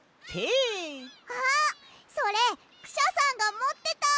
あっそれクシャさんがもってた！